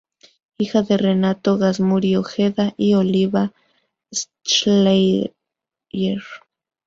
Hija de Renato Gazmuri Ojeda y Olivia Schleyer.